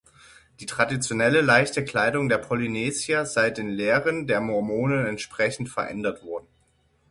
Die traditionelle leichte Kleidung der Polynesier sei den Lehren der Mormonen entsprechend verändert worden.